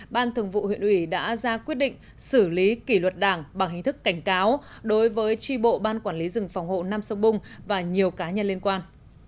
ban thường vụ huyện ủy đã ra quyết định xử lý kỷ luật đảng bằng hình thức cảnh cáo đối với tri bộ ban quản lý rừng phòng hộ nam sông bung và nhiều cá nhân liên quan